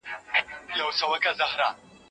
په خپل کار کي دقت وکړه.